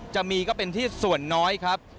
จะเป็นก็เป็นที่ส่วนน้อยครับ